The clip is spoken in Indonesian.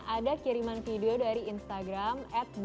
ada kiriman video dari instagram